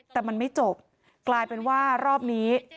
แต่มันไม่จบกลายเป็นว่ารอบนี้